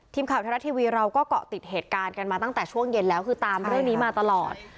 ทีมข่าวไทยรัฐทีวีเราก็เกาะติดเหตุการณ์กันมาตั้งแต่ช่วงเย็นแล้วคือตามเรื่องนี้มาตลอด